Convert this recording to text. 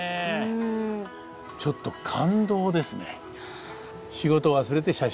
ちょっと感動ですね。